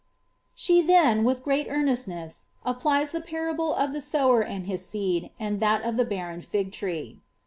*' She then, with great earnestness, applies the parable of the sower and hi! seed, and that of the barren fig tree.